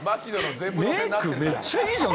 メーク、めっちゃいいじゃん！